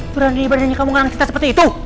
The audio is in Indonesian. berani ibadahnya kamu nganggap kita seperti itu